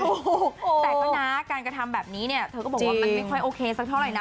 ถูกแต่ก็นะการกระทำแบบนี้เนี่ยเธอก็บอกว่ามันไม่ค่อยโอเคสักเท่าไหร่นะ